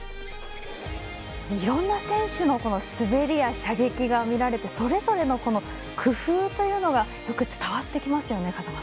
いろんな選手の滑りや射撃が見られてそれぞれの工夫というのがよく伝わってきますよね。